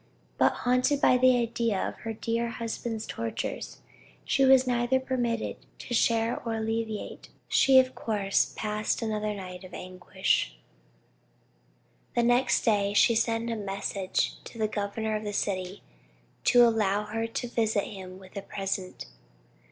But, haunted by the idea of her dear husband's tortures, which she was neither permitted to share nor alleviate, she of course passed another night of anguish. The next day she sent a message to the governor of the city, to allow her to visit him with a present.